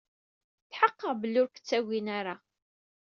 Tḥeqqeɣ belli ur k-ttagin ara.